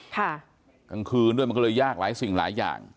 กลางคืนด้วยมันก็เลยยากหลายสิ่งหลายอย่าง